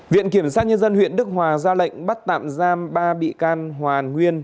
viện kiểm sát nhân dân huyện đức hòa ra lệnh bắt tạm giam ba bị can hoàn nguyên